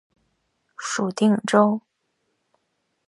属定州。